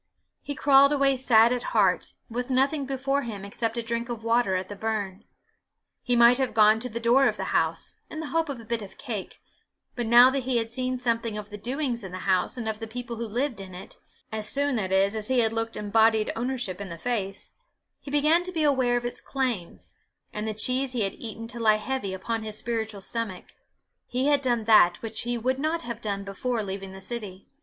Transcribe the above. He crawled away sad at heart, with nothing before him except a drink of water at the burn. He might have gone to the door of the house, in the hope of a bit of cake, but now that he had seen something of the doings in the house and of the people who lived in it as soon, that is, as he had looked embodied ownership in the face he began to be aware of its claims, and the cheese he had eaten to lie heavy upon his spiritual stomach; he had done that which he would not have done before leaving the city.